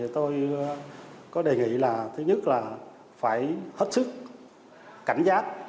tôi có đề nghị là thứ nhất là phải hết sức cảnh giác